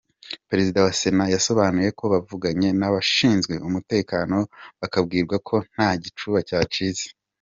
Perezida wa Sena yasobanuye ko bavuganye n’abashinzwe umutekano bakabwirwa ko nta gikuba cyacitse.